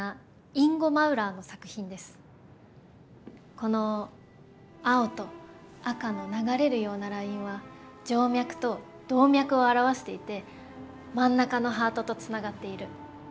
この青と赤の流れるようなラインは静脈と動脈を表していて真ん中のハートとつながっている。